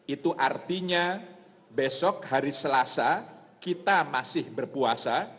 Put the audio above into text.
itu artinya besok hari selasa kita masih berpuasa